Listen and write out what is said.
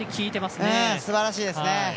すばらしいですね。